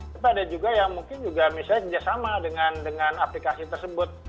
tapi ada juga yang mungkin juga misalnya kerjasama dengan aplikasi tersebut